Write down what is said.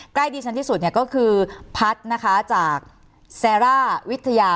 ใกล้ดีฉันที่สุดก็คือพัฒน์นะคะจากแซร่าวิทยา